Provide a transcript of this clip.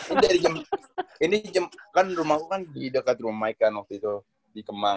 ini dari jam ini jam kan rumah aku kan di dekat rumah michael waktu itu di kemang